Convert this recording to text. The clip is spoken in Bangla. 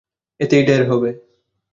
এতেই ঢের হবে।